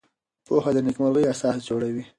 پوهه د نېکمرغۍ اساس جوړوي.